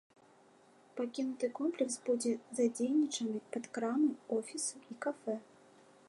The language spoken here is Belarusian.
Пакінуты комплекс будзе задзейнічаны пад крамы, офісы і кафэ.